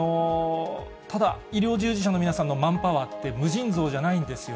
ただ、医療従事者の皆さんのマンパワーって無尽蔵じゃないんですよ。